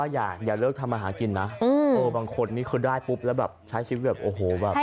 อย่าเลิกทำอาหารกินนะบางคนนี้เขาได้ปุ๊บแล้วแบบใช้ชีวิตแบบโอ้โหแบบ